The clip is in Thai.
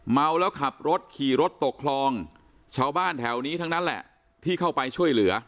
เมาแล้วขับรถขี่รถตกคลองชาวบ้านแถวนี้ทั้งนั้นแหละที่เข้าไปช่วยเหลือ